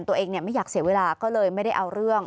ตัวเองไม่อยากเสียเวลาก็เลยไม่ได้เอาเรื่อง